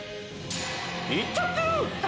いっちゃってる！